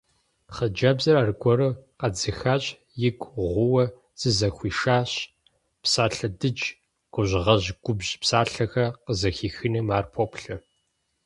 Хъыджэбзыр аргуэру къэдзыхащ, игу гъууэ зызэхуишащ: псалъэ дыдж, гужьгъэжь губжь псалъэхэр къызэхихыным ар поплъэ.